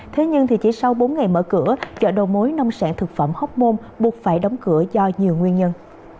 thế nhưng chỉ sau bốn ngày mở cửa chợ đầu mối nông sản thực phẩm hóc môn buộc phải đóng cửa do nhiều nguyên nhân